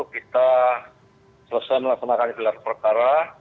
kita selesai melaksanakan gelar perkara